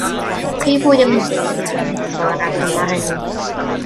Prif fwyd y lindys ydy hopys fel yr awgryma'r enw.